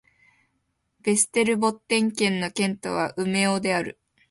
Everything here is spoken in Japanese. ヴェステルボッテン県の県都はウメオである